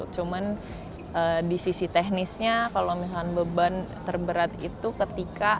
cuman di sisi teknisnya kalau misalnya beban terberat itu ketika